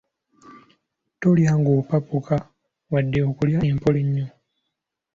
Tolya ng’opakuka wadde okulya empola ennyo.